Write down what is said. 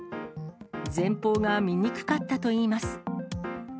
前方が見にくかったといいます。